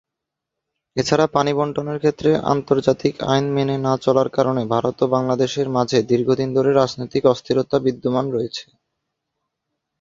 এছাড়া পানি বণ্টনের ক্ষেত্রে আন্তর্জাতিক আইন মেনে না চলার কারণে ভারত ও বাংলাদেশের মাঝে দীর্ঘদিন ধরে রাজনৈতিক অস্থিরতা বিদ্যমান রয়েছে।